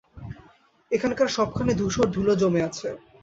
এখানকার সবখানে ধূসর ধুলো জমে আছে।